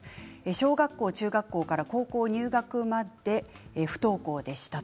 小学校、中学校から高校入学を待って不登校でした。